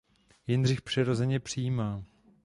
Jindřich přirozeně přijímá.